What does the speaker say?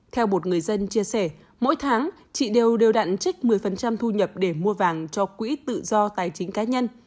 theo một người dân chia sẻ mỗi tháng chị đều đều đặn trích một mươi thu nhập để mua vàng cho quỹ tự do tài chính cá nhân